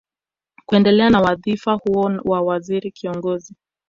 Kuendelea na wadhifa huo wa waziri kiongozi